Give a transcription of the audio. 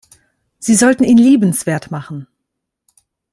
Sie sollten ihn liebenswert machen.